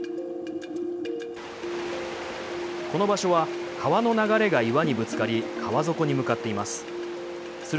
この場所は、川の流れが岩にぶつかり川底に向かっています。